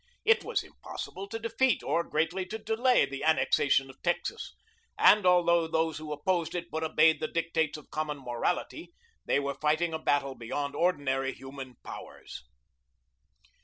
It was impossible to defeat or greatly to delay the annexation of Texas, and although those who opposed it but obeyed the dictates of common morality, they were fighting a battle beyond ordinary human powers.